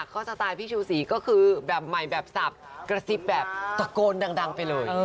ก็สไตล์พี่ชูศรีก็คือแบบใหม่แบบสับกระซิบแบบตะโกนดังไปเลย